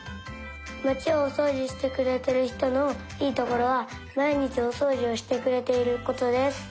まちをおそうじしてくれてるひとのいいところはまいにちおそうじをしてくれていることです。